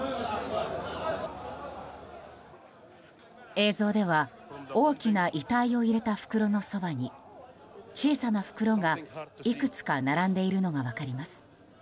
映像では大きな遺体を入れた袋のそばに小さな袋がいくつか並んでいるのが分かります。